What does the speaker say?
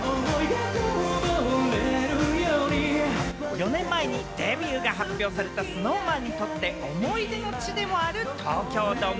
４年前にデビューが発表されたＳｎｏｗＭａｎにとって思い出の地でもある東京ドーム。